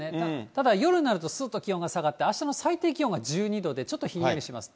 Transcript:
ただ夜になると、すーっと気温が下がって、あしたの最低気温が１２度で、ちょっとひんやりします。